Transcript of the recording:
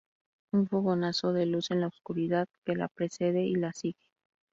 Un fogonazo de luz en la obscuridad que la precede y la sigue.